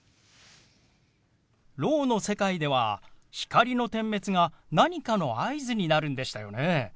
ろうの世界では光の点滅が何かの合図になるんでしたよね。